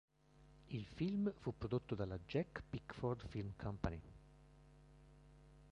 Il film fu prodotto dalla Jack Pickford Film Company.